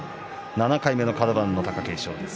７回目のカド番の貴景勝です。